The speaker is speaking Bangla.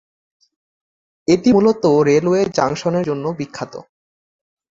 এটি মূলত রেলওয়ে জংশনের জন্য বিখ্যাত।